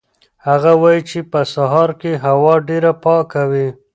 هغه وایي چې په سهار کې هوا ډېره پاکه وي.